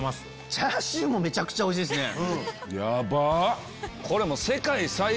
チャーシューもめちゃくちゃおいしいですね。